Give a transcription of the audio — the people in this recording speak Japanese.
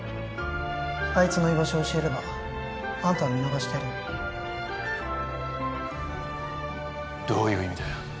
あいつの居場所を教えればあんたは見逃してやるよどういう意味だよ？